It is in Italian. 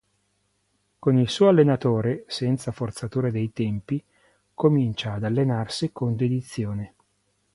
Con il suo allenatore, senza forzature dei tempi, comincia ad allenarsi con dedizione.